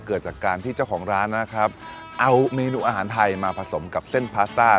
เกิดจากการที่เจ้าของร้านนะครับเอาเมนูอาหารไทยมาผสมกับเส้นพาสต้า